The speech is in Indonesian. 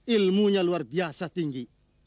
ilmunya luar biasa tinggi